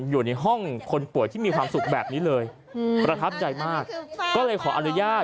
อยู่ในห้องคนป่วยที่มีความสุขแบบนี้เลย